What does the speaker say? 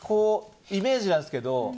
イメージなんですけど。